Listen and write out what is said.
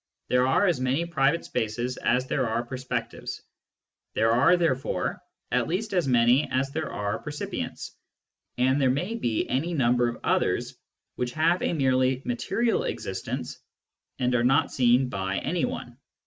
There are as many private spaces as there are perspectives ; there are therefore at least as many as there are percipients, and there may be any number of others which have a merely material existence and are not seen by anyone.